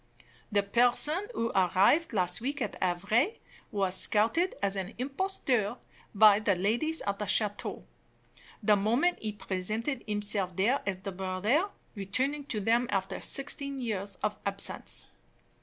The person who arrived last week at Havre was scouted as an impostor by the ladies at the chateau, the moment he presented himself there as the brother, returning to them after sixteen years of absence.